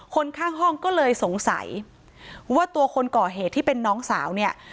คนข้างห้องก็เลยสงสัยว่าตัวคนก่อเหตุที่เป็นน้องสาวเนี่ย